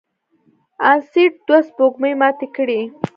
انیسټ دوه سپوږمۍ ماتې کړې.